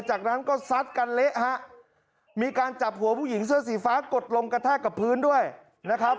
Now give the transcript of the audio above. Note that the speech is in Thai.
จากนั้นก็ซัดกันเละฮะมีการจับหัวผู้หญิงเสื้อสีฟ้ากดลงกระแทกกับพื้นด้วยนะครับ